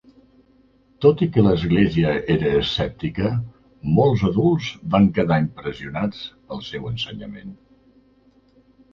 Tot i que l'Església era escèptica, molts adults van quedar impressionats pel seu ensenyament.